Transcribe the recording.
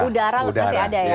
udara masih ada ya